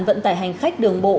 vận tải hành khách đường bộ